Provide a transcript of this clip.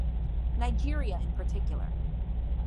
Nigeria in particular.